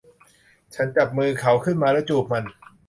ฉันจับมือเขาขึ้นมาและจูบมัน